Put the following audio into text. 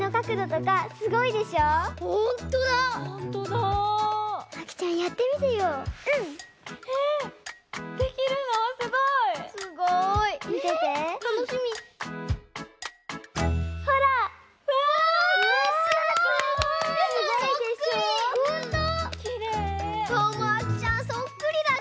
かおもあきちゃんそっくりだし。